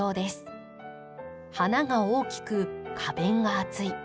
花が大きく花弁が厚い。